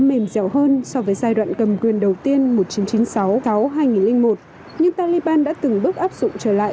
mềm dẻo hơn so với giai đoạn cầm quyền đầu tiên một nghìn chín trăm chín mươi sáu gáo hai nghìn một nhưng taliban đã từng bước áp dụng trở lại